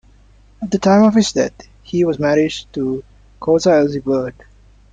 At the time of his death, he was married to Cora Elsie Bird.